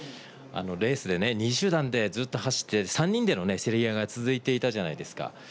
レースでね、２位集団でずっと走って、３人での競り合いが続いていたじゃないですか。